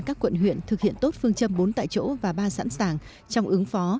các quận huyện thực hiện tốt phương châm bốn tại chỗ và ba sẵn sàng trong ứng phó